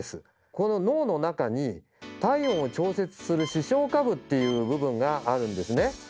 この脳の中に体温を調節する「視床下部」っていう部分があるんですね。